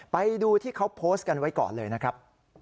ไปดูที่เขาโพสต์กันไว้ก่อนเลยนะครับ